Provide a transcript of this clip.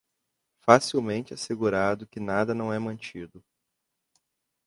Facilmente assegurado que nada não é mantido.